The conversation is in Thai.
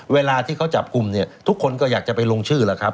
เวลาที่เขาจับกลุ่มเนี่ยทุกคนก็อยากจะไปลงชื่อแล้วครับ